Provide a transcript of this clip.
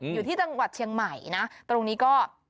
อยู่ที่จังหวัดเชียงใหม่นะตรงนี้ก็